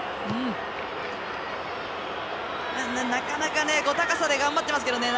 なかなか高さで頑張ってますけどね